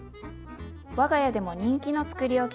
我が家でも人気のつくりおきです。